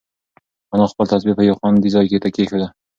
انا خپل تسبیح په یو خوندي ځای کې کېښوده.